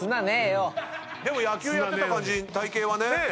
でも野球やってた感じ体形はね。